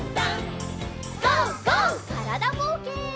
からだぼうけん。